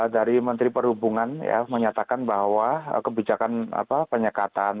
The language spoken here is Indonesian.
dari menteri perhubungan ya menyatakan bahwa kebijakan apa penyekatan